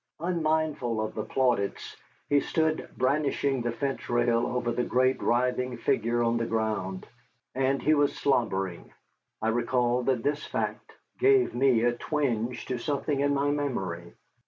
Unmindful of the plaudits, he stood brandishing the fence rail over the great, writhing figure on the ground. And he was slobbering. I recall that this fact gave a twinge to something in my memory.